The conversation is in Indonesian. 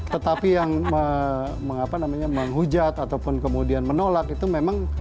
tetapi yang menghujat ataupun kemudian menolak itu memang